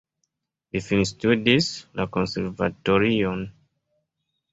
Li finstudis la konservatorion.